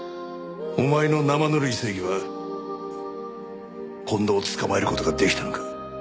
お前の生ぬるい正義は近藤を捕まえる事ができたのか？